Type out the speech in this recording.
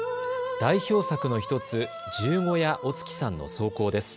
代表作の１つ、十五夜お月さんの草稿です。